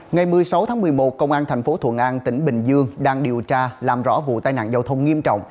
ngày một mươi sáu tháng một mươi một công an thành phố thuận an tỉnh bình dương đang điều tra làm rõ vụ tai nạn giao thông nghiêm trọng